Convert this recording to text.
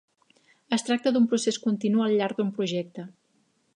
Es tracta d'un procés continu al llarg d'un projecte.